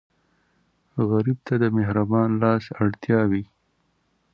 غریب ته د مهربان لاس اړتیا وي